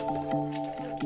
ya bagus kagum gitu ya